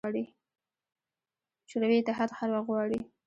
شوروي اتحاد هر وخت غواړي.